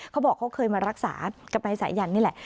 เขาบอกเขาเคยมารักษากับนายสายันนี่แหละ